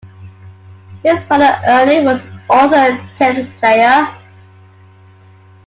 His brother Ernie was also a tennis player.